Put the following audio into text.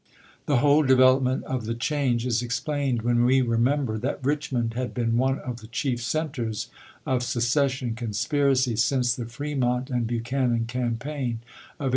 The whole devel opment of the change is explained when we remem ber that Richmond had been one of the chief centers of secession conspiracy since the Fremont and Buchanan campaign of 1856.